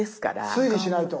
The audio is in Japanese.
推理しないと。